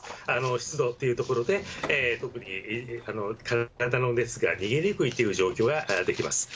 湿度というところで、特に体の熱が逃げにくいという状況ができます。